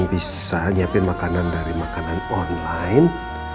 kalau nggak bisa nyiapin makanan dari makanan online